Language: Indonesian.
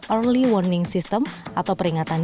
early warning system atau peringatan